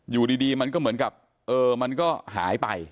อยู่ดีมันก็เหมือนกับเออมันก็หายไป